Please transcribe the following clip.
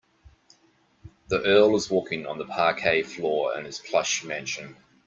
The earl is walking on the parquet floor in his plush mansion.